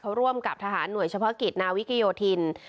เขาร่วมกับทหารหน่วยเฉพาะกิจนาวิกโยธิน